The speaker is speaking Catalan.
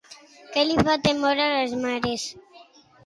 Què li fa temor a les mares?